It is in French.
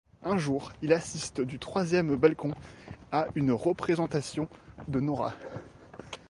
Un jour, il assiste du troisième balcon à une représentation de Nora.